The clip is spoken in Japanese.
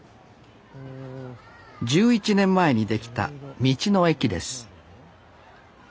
１１年前に出来た道の駅です